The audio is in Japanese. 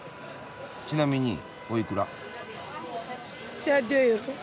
ちなみにおいくら？